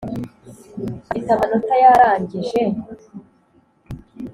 afite amanota yarangije.